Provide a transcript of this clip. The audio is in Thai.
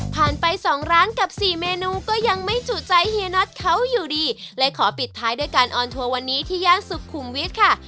ไปสองร้านกับสี่เมนูก็ยังไม่จุใจเฮียน็อตเขาอยู่ดีเลยขอปิดท้ายด้วยการออนทัวร์วันนี้ที่ย่านสุขุมวิทย์ค่ะ